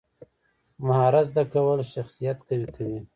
مهارت زده کول شخصیت قوي کوي.